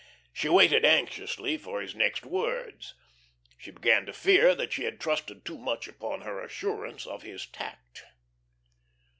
She waited anxiously for his next words. She began to fear that she had trusted too much upon her assurance of his tact.